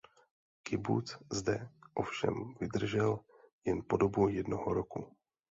Kibuc zde ovšem vydržel jen po dobu jednoho roku.